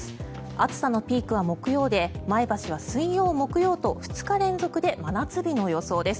暑さのピークは木曜で前橋は水曜、木曜と２日連続で真夏日の予想です。